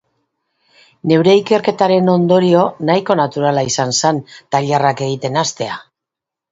Neure ikerketaren ondorio nahiko naturala izan zen tailerrak egiten hastea.